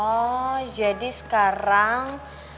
oh jadi sekarang